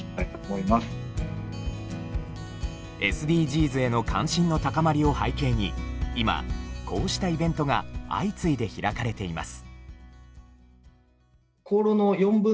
「ＳＤＧｓ」への関心の高まりを背景に今こうしたイベントが相次いで開かれています。